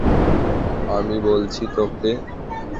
আমি বলছি তোকে।